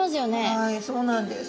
はいそうなんです。